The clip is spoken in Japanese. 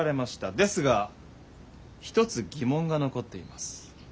ですが一つ疑問が残っています。